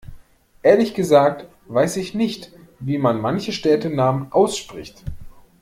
Ehrlich gesagt weiß ich nicht wie man manche Städtenamen ausspricht.